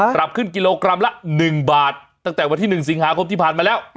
ปรับขึ้นกิโลกรัมละ๑บาทตั้งแต่วันที่๑สิงหาคมที่ผ่านมาแล้ว